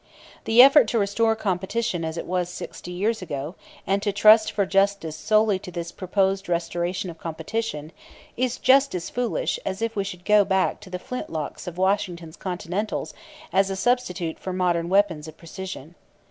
The effort to restore competition as it was sixty years ago, and to trust for justice solely to this proposed restoration of competition, is just as foolish as if we should go back to the flintlocks of Washington's Continentals as a substitute for modern weapons of precision.